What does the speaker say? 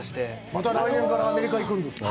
また来年からアメリカに行くんですか。